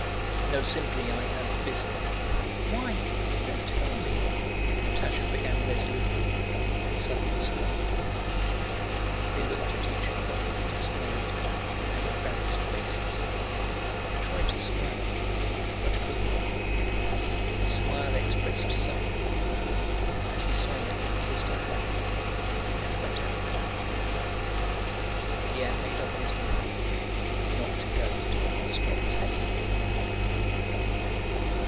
No, simply I have business...." "Why? No, tell me!" Natásha began resolutely and suddenly stopped. They looked at each other with dismayed and embarrassed faces. He tried to smile but could not: his smile expressed suffering, and he silently kissed her hand and went out. Pierre made up his mind not to go to the Rostóvs' any more.